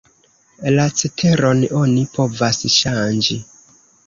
La ceteron oni povas ŝanĝi.